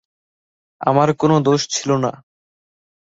আমার কোনো দোষ ছিল না।